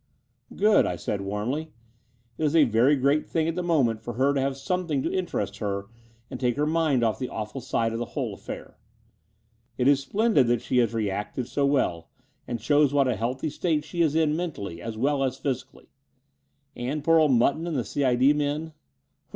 "Good," I said warmly. "It is a very great thing at the moment for her to have something to interest her and take her mind off the awftil side of the whole affair. It is splendid that she has reacted so well, and shows what a healthy state she is in mentally as well as physically. And poor old Mutton and the C.I.D. men?"